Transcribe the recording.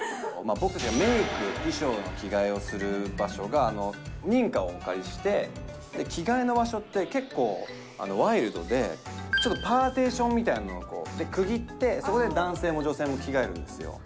僕、メーク、衣装の着替えをする場所が、民家をお借りして、着替えの場所って、結構、ワイルドで、ちょっとパーテーションみたいなので、こう、区切って、そこで男性も女性も着替えるんですよ。